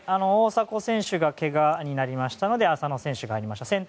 大迫選手がけがになりましたので浅野選手が入りました。